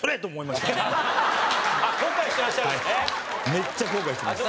めっちゃ後悔してます。